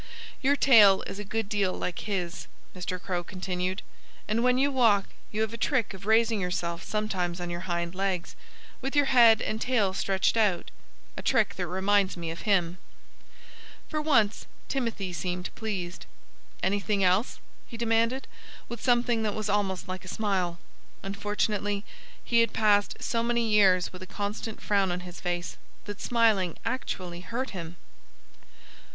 "Your tail is a good deal like his," Mr. Crow continued. "And when you walk you have a trick of raising yourself sometimes on your hind legs, with your head and tail stretched out a trick that reminds me of him." For once Timothy seemed pleased. "Anything else?" he demanded, with something that was almost like a smile. Unfortunately, he had passed so many years with a constant frown on his face that smiling actually hurt him.